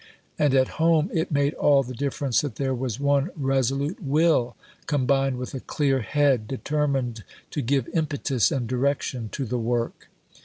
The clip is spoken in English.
And at home, it made all the difference that there was one resolute will, combined with a clear head, determined to give impetus and direction to the work.